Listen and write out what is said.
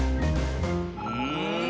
うん？